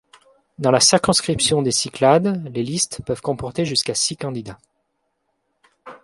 Dans la circonscription des Cyclades, les listes peuvent comporter jusqu'à six candidats.